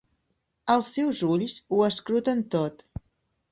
Els seus ulls ho escruten tot.